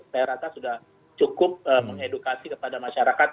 saya rasa sudah cukup mengedukasi kepada masyarakat